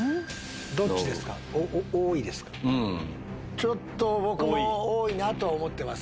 ちょっと僕も多いなとは思ってます。